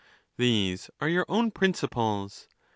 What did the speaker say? These are your own prin ciples.